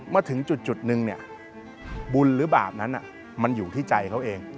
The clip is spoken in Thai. มาถึงจุดนึงเนี่ยบุญหรือบาปนั้นมันอยู่ที่ใจเขาเอง